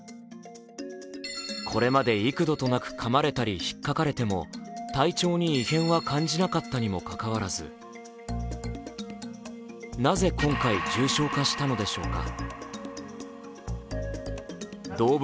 これまで幾度となくかまれたり、ひっかかれても体調に異変は感じなかったにもかかわらずなぜ今回重症化したのでしょうか。